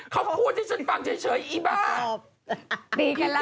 เค้าพูดแล้วฉันฟังเฉยอย่าม้า